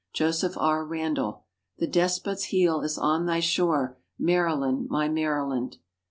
Joseph R. Randall. "The despot's heel is on thy shore, Maryland, my Maryland."